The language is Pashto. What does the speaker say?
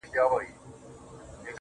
زمــا دزړه د ائينې په خاموشـۍ كي.